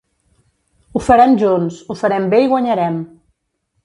Ho farem junts, ho farem bé i guanyarem.